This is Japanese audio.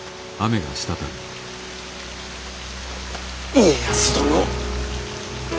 家康殿。